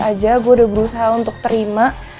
aja gue udah berusaha untuk terima